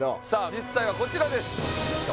実際はこちらです